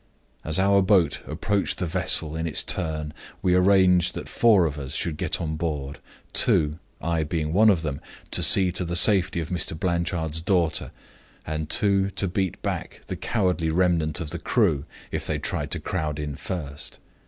As our boat approached the vessel in its turn, we arranged that four of us should get on board two (I being one of them) to see to the safety of Mr. Blanchard's daughter, and two to beat back the cowardly remnant of the crew if they tried to crowd in first.